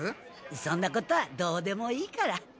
そんなことはどうでもいいから。